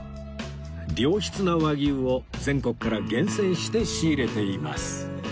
良質な和牛を全国から厳選して仕入れています